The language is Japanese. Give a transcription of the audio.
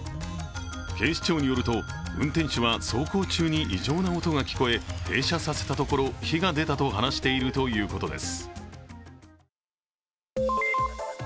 警視庁によると、運転手は走行中に異常な音が聞こえ停車させたところ火が出たと話しているということです。